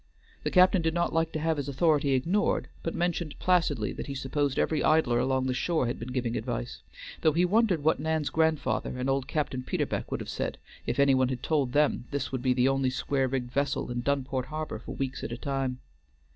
The captain did not like to have his authority ignored, but mentioned placidly that he supposed every idler along shore had been giving advice; though he wondered what Nan's grandfather and old Captain Peterbeck would have said if any one had told them this would be the only square rigged vessel in Dunport harbor for weeks at a time.